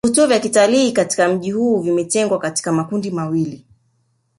vivutio vya kitalii katika mji huu vimetengwa katika makundi mawili